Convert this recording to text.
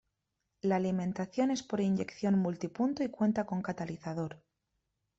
La alimentación es por inyección multipunto y cuenta con catalizador.